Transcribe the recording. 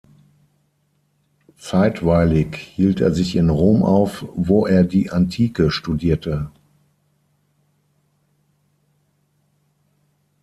Zeitweilig hielt er sich in Rom auf, wo er die Antike studierte.